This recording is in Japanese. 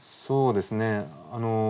そうですね。